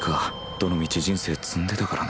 どのみち人生詰んでたからな。